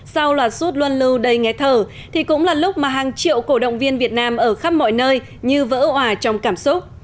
sau loạt suốt luân lưu đầy nghé thở thì cũng là lúc mà hàng triệu cổ động viên việt nam ở khắp mọi nơi như vỡ hỏa trong cảm xúc